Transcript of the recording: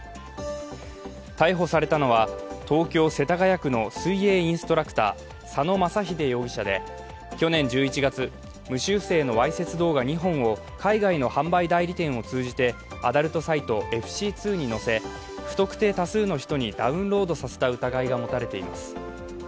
逮捕されたのは東京・世田谷区の水泳インストラクター佐野公英容疑者で、去年１１月、無修正のわいせつ動画２本を海外の販売代理店を通じてアダルトサイト、ＦＣ２に載せ不特定多数の人にダウンロードさせた疑いが持たれています。